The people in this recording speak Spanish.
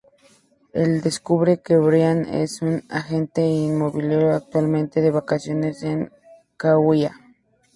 Él descubre que Brian es un agente inmobiliario actualmente de vacaciones en Kauai.